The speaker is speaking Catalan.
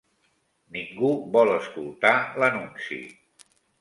Ningú vol escoltar l'anunci.